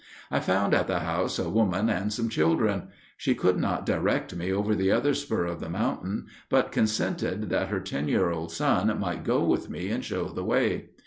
I found at the house a woman and some children. She could not direct me over the other spur of the mountain, but consented that her ten year old son might go with me and show the way.